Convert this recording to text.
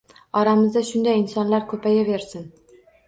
Oramizda shunday insonlar koʻpayaversin.